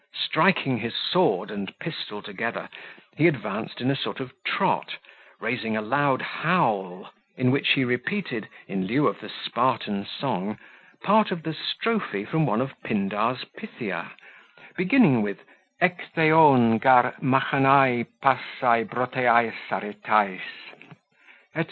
Striking his sword and pistol together, he advanced in a sort of trot, raising a loud howl, in which he repeated, in lieu of the Spartan song, part of the strophe from one of Pindar's Pythia, beginning with ek theon gar makanoi pasai Broteais aretais, etc.